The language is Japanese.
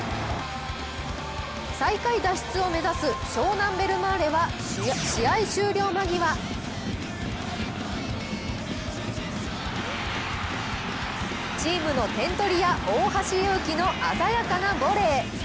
最下位脱出を目指す湘南ベルマーレは試合終了間際チームの点取り屋大橋祐紀の鮮やかなボレー。